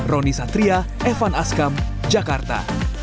roni satria evan askam jakarta